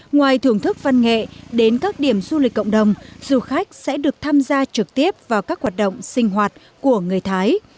ngoài thưởng thức văn nghệ đến các điểm du lịch cộng đồng du khách sẽ được tham gia trực tiếp vào các hoạt động sinh hoạt của người thái